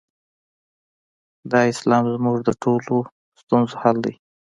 دا اسلام زموږ د ټولو ستونزو حل دی.